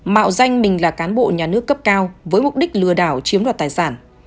mạo danh mình là cán bộ nhà nước cấp cao với mục đích lừa đảo chiếm đoạt tài sản